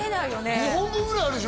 ５本分ぐらいあるでしょ